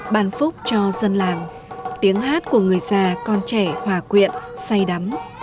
bàn phúc cho dân làng tiếng hát của người già con trẻ hòa quyện say đắm